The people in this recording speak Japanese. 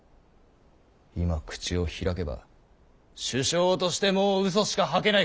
今口を開けば首相としてもううそしか吐けないからだ。